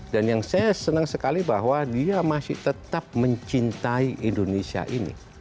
yang saya senang sekali bahwa dia masih tetap mencintai indonesia ini